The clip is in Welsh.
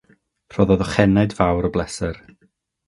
Rhoddodd ochenaid fawr o bleser.